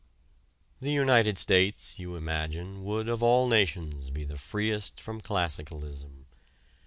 The United States, you imagine, would of all nations be the freest from classicalism.